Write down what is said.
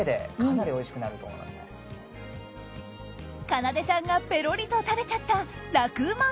かなでさんがペロリと食べちゃった楽ウマ！